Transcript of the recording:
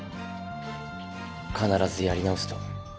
必ずやり直すと。